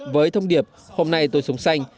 với thông điệp hôm nay tôi sống xanh